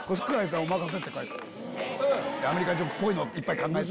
アメリカンジョークっぽいのをいっぱい考えて。